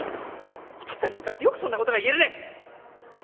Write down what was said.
お父っつぁんに向かってよくそんなことが言えるね！